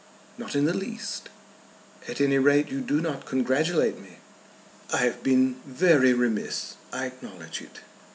"Not in the least." "At any rate you do not congratulate me." "I have been very remiss. I acknowledge it.